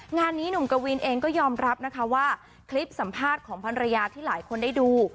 งานนี้หนุ่มกวินเองก็ยอมรับนะคะว่าคลิปสัมภาษณ์ของภรรยาที่หลายคนได้ดู